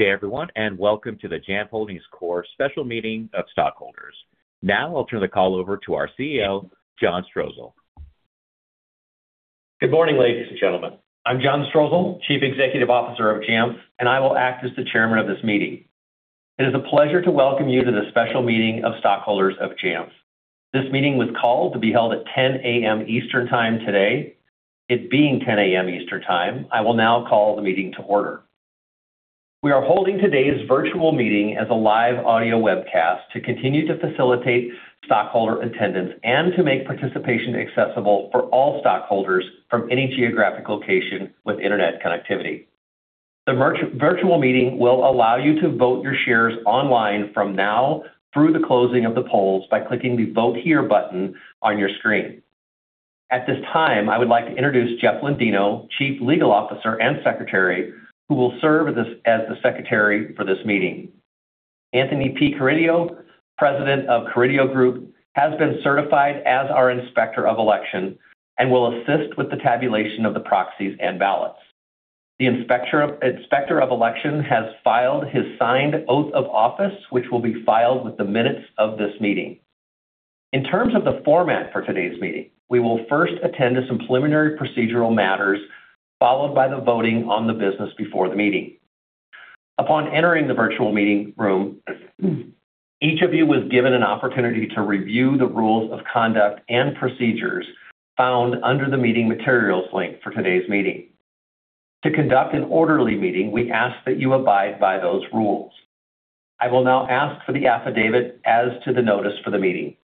Good day, everyone, and welcome to the Jamf Holding Corp. Special Meeting of stockholders. Now I'll turn the call over to our CEO, John Strosahl. Good morning, ladies and gentlemen. I'm John Strosahl, Chief Executive Officer of Jamf, and I will act as the Chairman of this meeting. It is a pleasure to welcome you to the Special Meeting of stockholders of Jamf. This meeting was called to be held at 10:00 A.M. Eastern Time today. It being 10:00 A.M. Eastern Time, I will now call the meeting to order. We are holding today's virtual meeting as a live audio webcast to continue to facilitate stockholder attendance and to make participation accessible for all stockholders from any geographic location with internet connectivity. The virtual meeting will allow you to vote your shares online from now through the closing of the polls by clicking the Vote Here button on your screen. At this time, I would like to introduce Jeff Lendino, Chief Legal Officer and Secretary, who will serve as the Secretary for this meeting. Anthony P. Carideo, President of Carideo Group, has been certified as our Inspector of Election and will assist with the tabulation of the proxies and ballots. The Inspector of Election has filed his signed oath of office, which will be filed with the minutes of this meeting. In terms of the format for today's meeting, we will first attend to some preliminary procedural matters, followed by the voting on the business before the meeting. Upon entering the virtual meeting room, each of you was given an opportunity to review the rules of conduct and procedures found under the meeting materials link for today's meeting. To conduct an orderly meeting, we ask that you abide by those rules. I will now ask for the affidavit as to the notice for the meeting.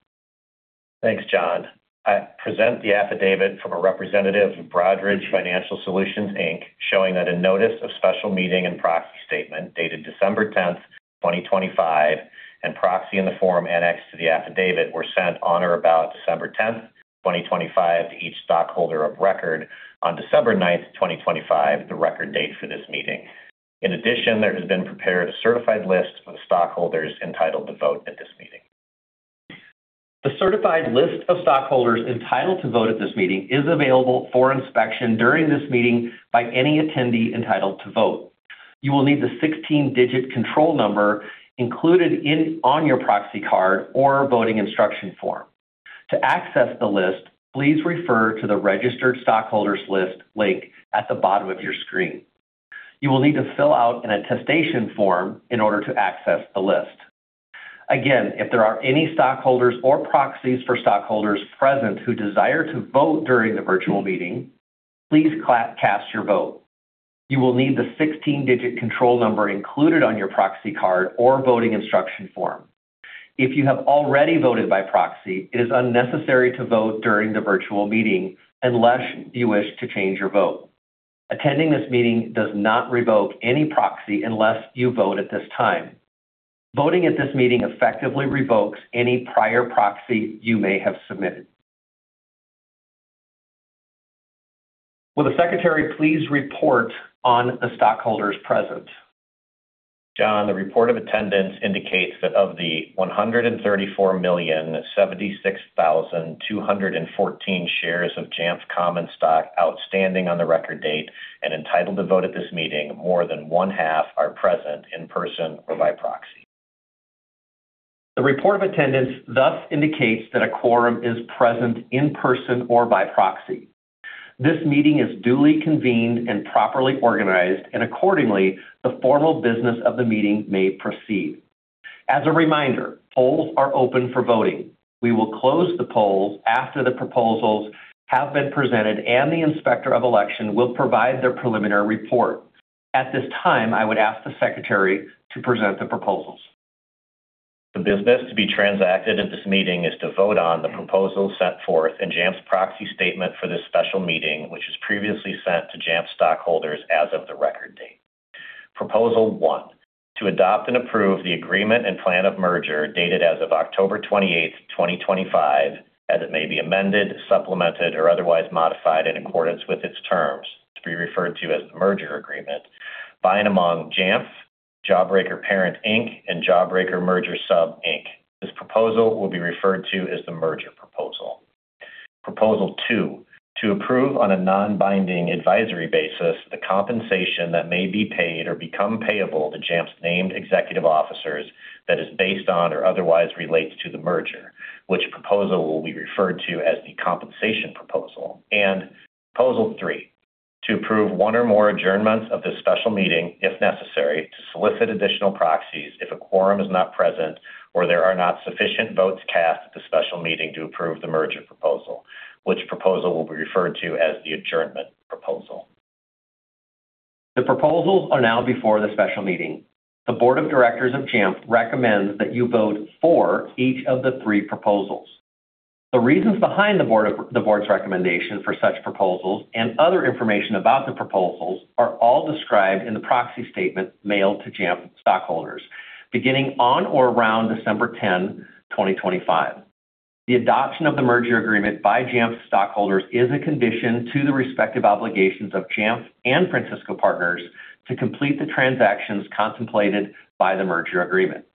Thanks, John. I present the affidavit from a representative of Broadridge Financial Solutions, Inc., showing that a notice of special meeting and proxy statement dated December 10th, 2025, and proxy in the form annexed to the affidavit were sent on or about December 10th, 2025, to each stockholder of record on December 9th, 2025, the record date for this meeting. In addition, there has been prepared a certified list of stockholders entitled to vote at this meeting. The certified list of stockholders entitled to vote at this meeting is available for inspection during this meeting by any attendee entitled to vote. You will need the 16-digit control number included on your proxy card or voting instruction form. To access the list, please refer to the Registered Stockholders List link at the bottom of your screen. You will need to fill out an attestation form in order to access the list. Again, if there are any stockholders or proxies for stockholders present who desire to vote during the virtual meeting, please cast your vote. You will need the 16-digit control number included on your proxy card or voting instruction form. If you have already voted by proxy, it is unnecessary to vote during the virtual meeting unless you wish to change your vote. Attending this meeting does not revoke any proxy unless you vote at this time. Voting at this meeting effectively revokes any prior proxy you may have submitted. Will the Secretary please report on the stockholders present? John, the report of attendance indicates that of the 134,076,214 shares of Jamf Common Stock outstanding on the record date and entitled to vote at this meeting, more than one-half are present in person or by proxy. The report of attendance thus indicates that a quorum is present in person or by proxy. This meeting is duly convened and properly organized, and accordingly, the formal business of the meeting may proceed. As a reminder, polls are open for voting. We will close the polls after the proposals have been presented, and the Inspector of Election will provide their preliminary report. At this time, I would ask the Secretary to present the proposals. The business to be transacted at this meeting is to vote on the proposals set forth in Jamf's proxy statement for this special meeting, which was previously sent to Jamf stockholders as of the record date. Proposal 1: To adopt and approve the agreement and plan of merger dated as of October 28, 2025, as it may be amended, supplemented, or otherwise modified in accordance with its terms, to be referred to as the merger agreement, by and among Jamf, Jawbreaker Parent, Inc, and Jawbreaker Merger Sub, Inc. This proposal will be referred to as the merger proposal. Proposal 2: To approve on a non-binding advisory basis the compensation that may be paid or become payable to Jamf's named executive officers that is based on or otherwise relates to the merger, which proposal will be referred to as the compensation proposal. Proposal 3: To approve one or more adjournments of this special meeting, if necessary, to solicit additional proxies if a quorum is not present or there are not sufficient votes cast at the special meeting to approve the merger proposal, which proposal will be referred to as the adjournment proposal. The proposals are now before the special meeting. The Board of Directors of Jamf recommends that you vote for each of the three proposals. The reasons behind the board's recommendation for such proposals and other information about the proposals are all described in the proxy statement mailed to Jamf stockholders beginning on or around December 10, 2025. The adoption of the merger agreement by Jamf stockholders is a condition to the respective obligations of Jamf and Francisco Partners to complete the transactions contemplated by the merger agreement.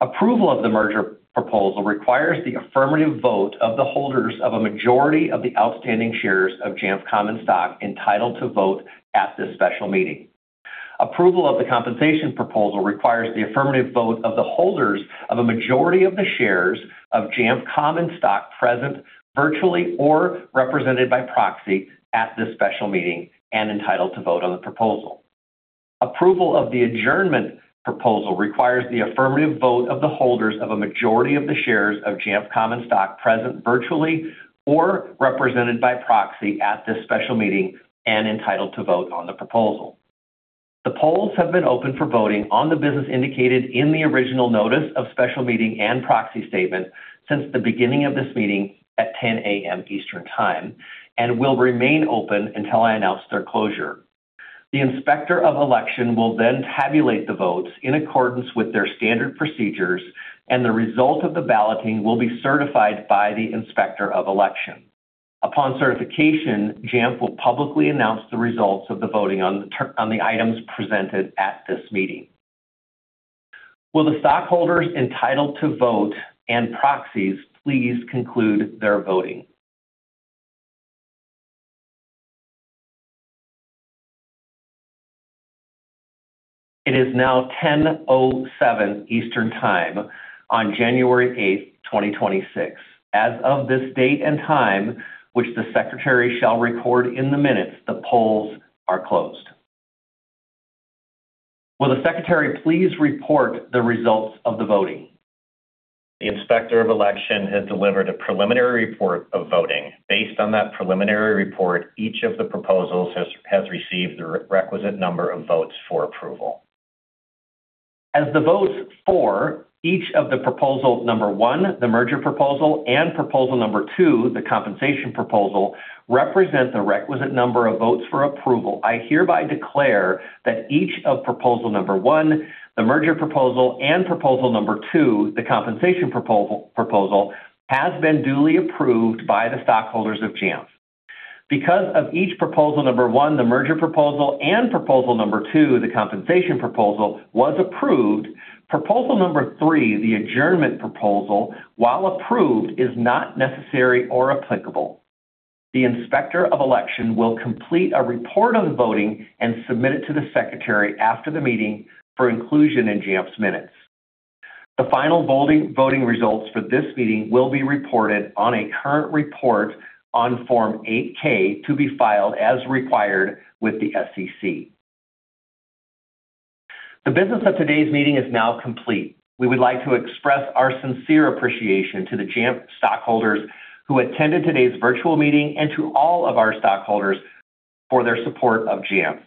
Approval of the merger proposal requires the affirmative vote of the holders of a majority of the outstanding shares of Jamf Common Stock entitled to vote at this special meeting. Approval of the compensation proposal requires the affirmative vote of the holders of a majority of the shares of Jamf Common Stock present virtually or represented by proxy at this special meeting and entitled to vote on the proposal. Approval of the adjournment proposal requires the affirmative vote of the holders of a majority of the shares of Jamf Common Stock present virtually or represented by proxy at this special meeting and entitled to vote on the proposal. The polls have been open for voting on the business indicated in the original notice of special meeting and proxy statement since the beginning of this meeting at 10:00 A.M. Eastern Time and will remain open until I announce their closure. The Inspector of Election will then tabulate the votes in accordance with their standard procedures, and the result of the balloting will be certified by the Inspector of Election. Upon certification, Jamf will publicly announce the results of the voting on the items presented at this meeting. Will the stockholders entitled to vote and proxies please conclude their voting? It is now 10:07 A.M. Eastern Time on January 8, 2026. As of this date and time, which the Secretary shall record in the minutes, the polls are closed. Will the Secretary please report the results of the voting? The Inspector of Election has delivered a preliminary report of voting. Based on that preliminary report, each of the proposals has received the requisite number of votes for approval. As the votes for each of the proposal number one, the merger proposal, and proposal number two, the compensation proposal, represent the requisite number of votes for approval, I hereby declare that each of proposal number one, the merger proposal, and proposal number two, the compensation proposal, has been duly approved by the stockholders of Jamf. Because of each proposal number one, the merger proposal, and proposal number two, the compensation proposal, was approved, proposal number three, the adjournment proposal, while approved, is not necessary or applicable. The Inspector of Election will complete a report of the voting and submit it to the Secretary after the meeting for inclusion in Jamf's minutes. The final voting results for this meeting will be reported on a current report on Form 8-K to be filed as required with the SEC. The business of today's meeting is now complete. We would like to express our sincere appreciation to the Jamf stockholders who attended today's virtual meeting and to all of our stockholders for their support of Jamf.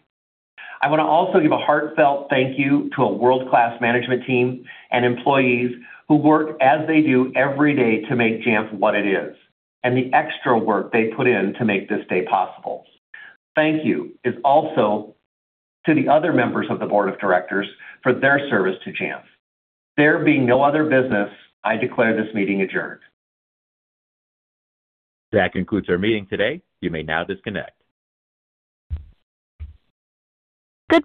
I want to also give a heartfelt thank you to a world-class management team and employees who work as they do every day to make Jamf what it is and the extra work they put in to make this day possible. Thank you is also to the other members of the Board of Directors for their service to Jamf. There being no other business, I declare this meeting adjourned. That concludes our meeting today. You may now disconnect. Good.